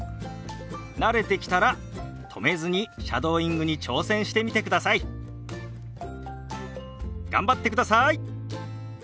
慣れてきたら止めずにシャドーイングに挑戦してみてください。頑張ってください！